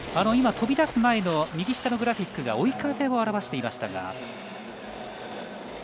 今、飛び出す前の右下のグラフィックが追い風を表していましたが。